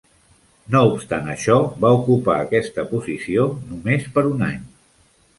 No obstant això, va ocupar aquesta posició només per un any.